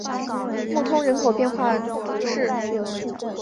穆通人口变化图示